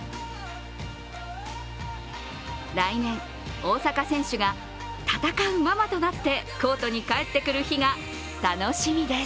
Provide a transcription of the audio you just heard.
来年、大坂選手が戦うママとなってコートに帰ってくる日が楽しみです。